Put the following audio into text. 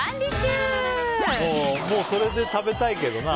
もうそれで食べたいけどな。